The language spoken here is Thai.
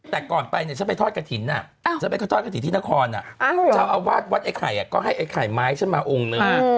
แต่ก่อนไปฉันไปทอดกระถินที่นครเจ้าอาวาสวัดไอ้ไข่ก็ให้ไอ้ไข่ไม้ฉันมาองค์นึง